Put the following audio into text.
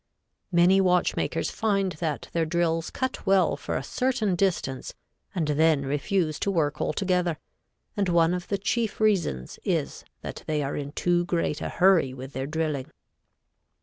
Many watchmakers find that their drills cut well for a certain distance and then refuse to work altogether, and one of the chief reasons is that they are in too great a hurry with their drilling.